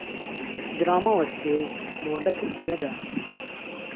هیچ ڕامهوەستێ و مۆلهتت نهدا